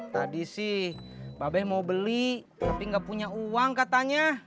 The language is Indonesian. tadi sih babe mau beli tapi gak punya uang katanya